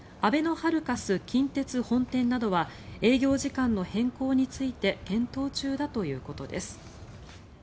ハルカス近鉄本店などは営業時間の変更について検討中だということです。